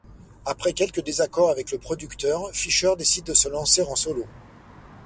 Après quelques désaccords avec le producteur, Fischer décide de se lancer en solo.